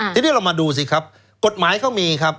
ทีนี้เรามาดูสิครับกฎหมายเขามีครับ